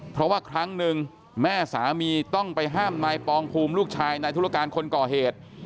เพราะว่าครั้งหนึ่งแม่สามีต้องไปห้ามนายปองภูมิลูกชายนายธุรการคนก่อเหตุ